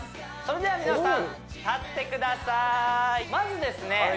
それでは皆さん立ってくださいまずですね